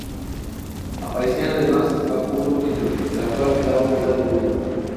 Aparecían además bajo un nuevo título, el actual, que daba unidad al volumen.